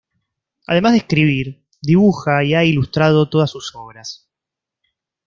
Además de escribir, dibuja y ha ilustrado todas sus obras.